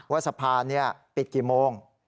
ว่าสะพานปิดกี่โมง